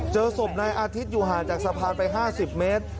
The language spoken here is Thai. เจอศพนายอาทิตย์อยู่ห่างจากสะพานไป๕๐เมตร